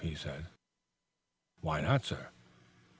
he said. "Why not, sir?"